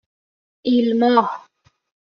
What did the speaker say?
ایلماه